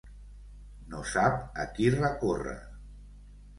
No sap a qui recórrer.